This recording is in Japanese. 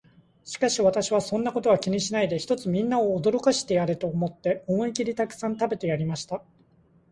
しかし私は、そんなことは気にしないで、ひとつみんなを驚かしてやれと思って、思いきりたくさん食べてやりました。